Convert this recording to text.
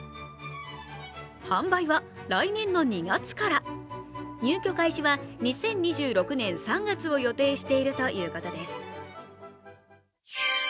販売は来年の２月から、入居開始は２０２６年３月を予定しているということです。